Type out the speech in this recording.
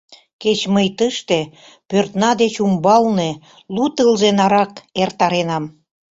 Кеч мый тыште, пӧртна деч умбалне, лу тылзе нарак эртаренам!